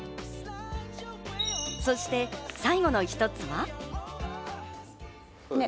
そして最後の一つは。